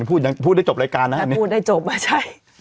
พูดได้จบรายการนะ